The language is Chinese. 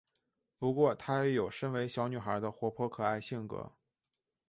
不过她也有身为小女孩的活泼可爱性格。